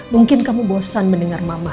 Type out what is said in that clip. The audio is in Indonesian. mungkin kamu bosan mendengar mama